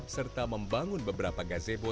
serta membangun beberapa gazebo